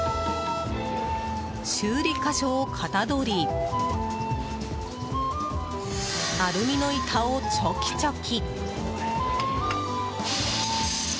修理箇所を型取りアルミの板をチョキチョキ。